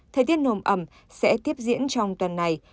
thời tiết nồm ẩm sẽ tiếp diễn trong tuần này